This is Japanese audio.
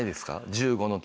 １５の時。